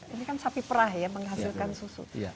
ini kan sapi perah ya menghasilkan susu